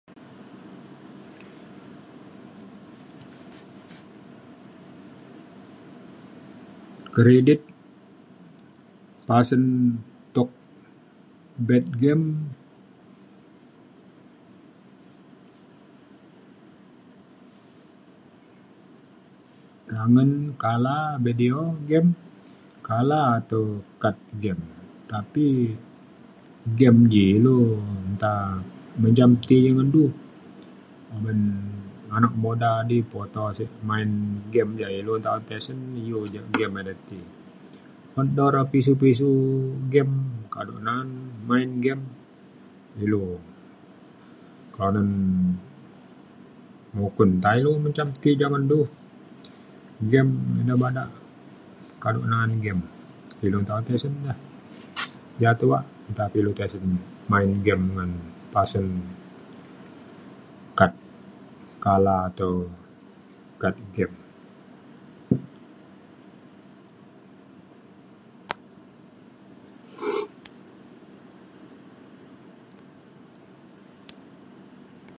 kredit pasen tuk bet game nangen kala video game kala ataunkat game tapi game ji ilu nta menjam ti ngan du oban anak muda di puto sik main game ia' ilu nta tisen iu ja game ida ti. un do re pisiu pisiu game kado na'an main game ilu kanen mukun nta ilu njam ti ja ngan du. game ina bada kado na'an game ilu nta tisen ja. ja tuak nta pe ilu tisen main game ngan pasen kad kala atau kad game